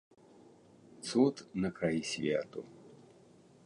Цуд на краі свету.